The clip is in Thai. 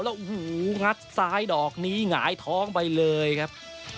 โอ้โหงัดซ้ายดอกนี้หงายท้องไปเลยครับ